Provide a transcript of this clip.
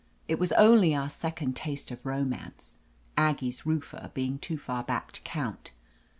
It was only our second taste of romance — Aggie's roofer being too far back to count.